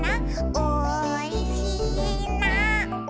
「おいしいな」